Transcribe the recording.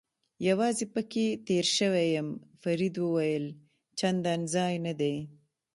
یوازې پکې تېر شوی یم، فرید وویل: چندان ځای نه دی.